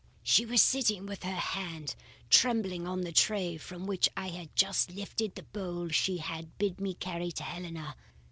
"She was sitting with her hand trembling on the tray from which I had just lifted the bowl she had bid me carry to Helena.